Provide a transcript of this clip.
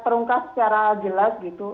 terungkas secara jelas gitu